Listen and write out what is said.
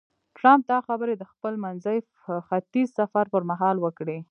ټرمپ دا خبرې د خپل منځني ختیځ سفر پر مهال وکړې.